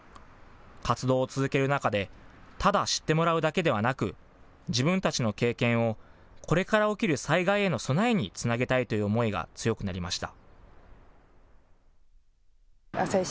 活動を続ける中でただ知ってもらうだけではなく、自分たちの経験をこれから起きる災害への備えにつなげたいという思いが強くなりました。